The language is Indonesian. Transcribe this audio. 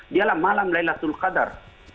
dialah malam laylatul qadar